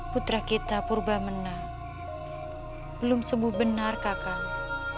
putra kita purba menak belum sembuh benar kakak